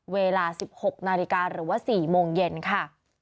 เวลา๑๖นาฬิกาหรือว่า๔โมงเย็นค่ะ